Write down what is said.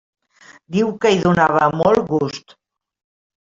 Diu que hi donava molt gust.